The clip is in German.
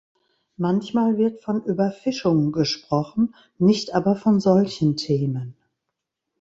Manchmal wird von Überfischung gesprochen, nicht aber von solchen Themen.